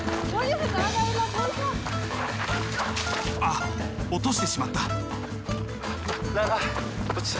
あっ落としてしまった。